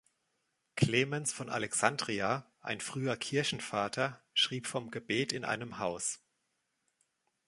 Clemens von Alexandria, ein früher Kirchenvater, schrieb vom Gebet in einem Haus.